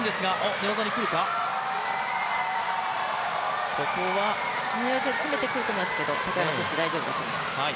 寝技に詰めてくると思いますけど、高山選手、大丈夫です。